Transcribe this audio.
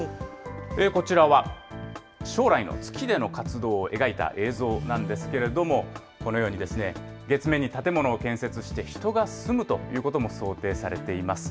こちらは、将来の月での活動を描いた映像なんですけれども、このようにですね、月面に建物を建設して、人が住むということも想定されています。